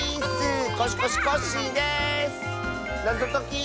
なぞとき。